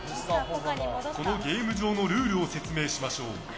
このゲーム場のルールを説明しましょう。